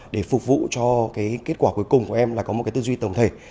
để phục vụ cho kết quả cuối cùng của em là có một tư duy tổng thể